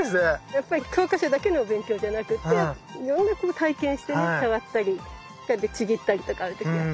やっぱり教科書だけのお勉強じゃなくていろんなこう体験してね触ったりちぎったりとかある時は。